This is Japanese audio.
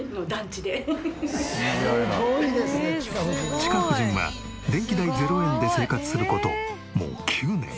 チカ婦人は電気代０円で生活する事もう９年。